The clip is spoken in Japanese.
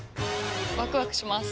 ワクワクします。